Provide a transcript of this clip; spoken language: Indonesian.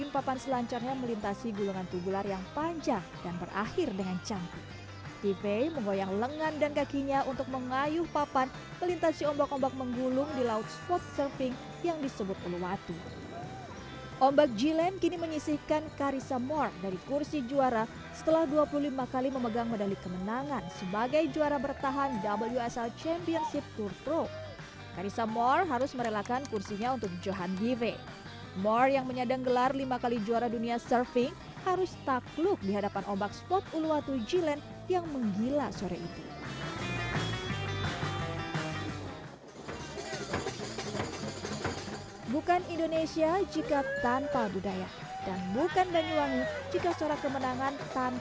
ya saya sangat terkesan dengan monyet di sini saya suka monyet dan saya suka menonton mereka dan apa yang mereka lakukan